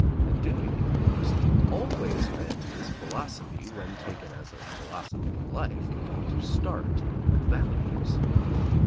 And Dewey, of course, always meant his philosophy, when taken as a philosophy of life, to start with values.